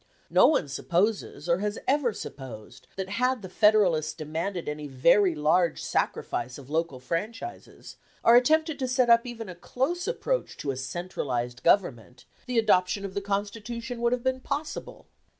No one supposes, or has ever supposed, that had the Federalists demanded any very large sacrifice of local franchises, or attempted to set up even a close approach to a centralized Government, the adoption of the Constitution would have been possible.